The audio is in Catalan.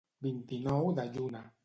Vint-i-nou de lluna.